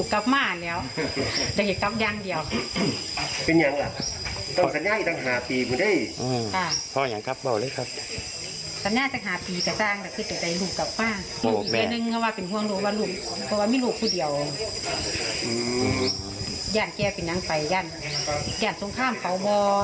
ไขม่ลุ่นแรงจนกับเกา